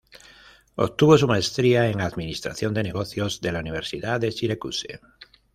Obtuvo su Maestría en Administración de Negocios de la Universidad de Syracuse.